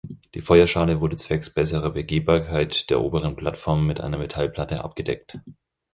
Die Feuerschale wurde zwecks besserer Begehbarkeit der oberen Plattform mit einer Metallplatte abgedeckt.